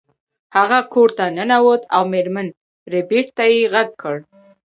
هغه کور ته ننوت او میرمن ربیټ ته یې غږ کړ